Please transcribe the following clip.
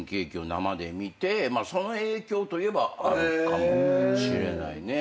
その影響といえばあるかもしれないね。